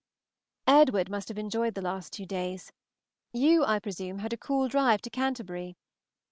Edward must have enjoyed the last two days. You, I presume, had a cool drive to Canterbury.